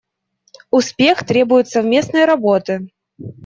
Успех требует совместной работы.